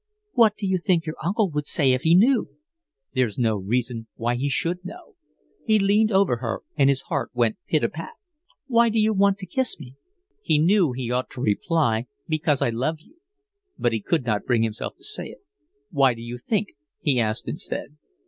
"What do you think your uncle would say if he knew?" "There's no reason why he should know." He leaned over her, and his heart went pit a pat. "Why d'you want to kiss me?" He knew he ought to reply: "Because I love you." But he could not bring himself to say it. "Why do you think?" he asked instead.